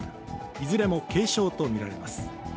いずれも軽症とみられます。